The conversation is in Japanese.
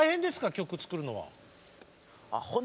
曲作るのは。